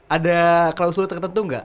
ada klausul tertentu nggak